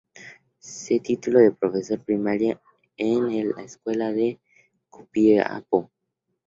Se tituló de profesor primario en la Escuela Normal de Copiapó.